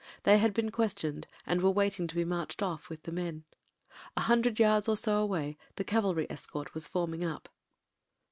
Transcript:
They had been questioned, and were waiting to be marched off with the men. A him dred yards or so away the cavalry escort was form ing up.